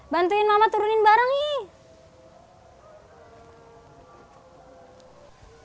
bantuin mama turunin bareng nih